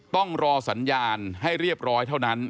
ต้องรอสัญญาณให้เรียบร้อยเท่านั้น